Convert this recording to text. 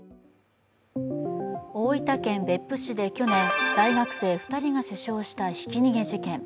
大分県別府市で去年、大学生２人が死傷したひき逃げ事件。